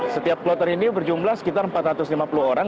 setiap kloter ini berjumlah sekitar empat ratus lima puluh orang